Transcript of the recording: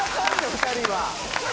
２人は。